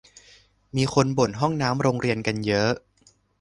มีคนบ่นห้องน้ำโรงเรียนกันเยอะ